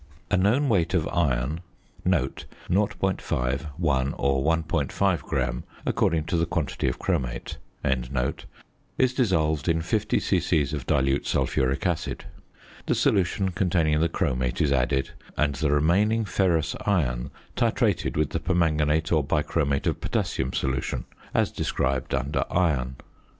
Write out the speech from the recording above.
A known weight of iron (0.5, 1, or 1.5 gram, according to the quantity of chromate) is dissolved in 50 c.c. of dilute sulphuric acid. The solution containing the chromate is added, and the remaining ferrous iron titrated with the permanganate or bichromate of potassium solution, as described under Iron.